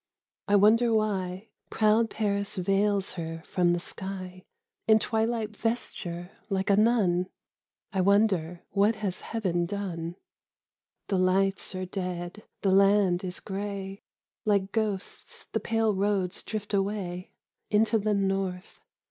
I wonder why Proud Paris veils her from the sky In twilight vesture like a nun? I wonder, what has heaven done? 20 The Return of Jeanne a" Arc The lights are dead, the land is gray, Like ghosts the pale roads drift away Into the north